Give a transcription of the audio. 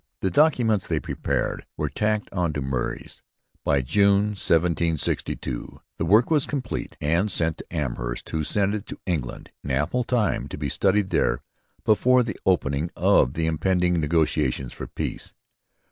The documents they prepared were tacked on to Murray's. By June 1762 the work was completed and sent on to Amherst, who sent it to England in ample time to be studied there before the opening of the impending negotiations for peace.